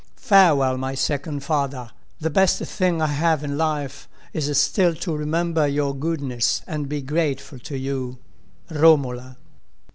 "Farewell, my second father. The best thing I have in life is still to remember your goodness and be grateful to you. "Romola."